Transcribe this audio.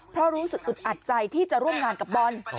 เพราะรู้สึกอึดอัดใจที่จะร่วมงานกับบอล